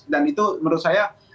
dan itu menurut saya